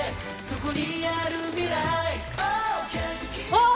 あっ！